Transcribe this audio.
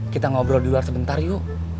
kita ngobrol di luar sebentar yuk